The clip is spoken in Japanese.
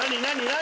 何？